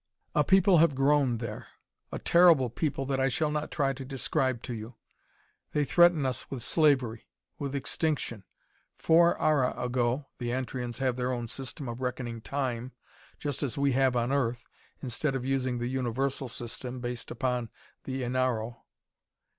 "A people have grown there. A terrible people that I shall not try to describe to you. They threaten us with slavery, with extinction. Four ara ago (the Antrians have their own system of reckoning time, just as we have on Earth, instead of using the universal system, based upon the enaro.